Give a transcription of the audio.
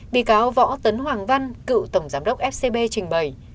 bị cáo võ tấn hoàng văn cựu tổng giám đốc scb trình bày